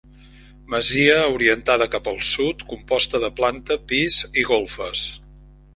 Masia orientada cap al sud, composta de planta, pis i golfes.